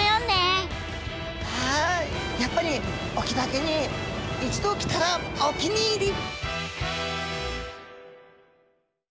やっぱり隠岐だけに一度来たらお気に入り！